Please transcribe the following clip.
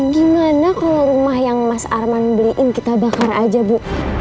gimana kalau rumah yang mas arman beliin kita bakar aja bu